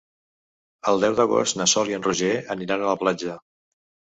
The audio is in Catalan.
El deu d'agost na Sol i en Roger aniran a la platja.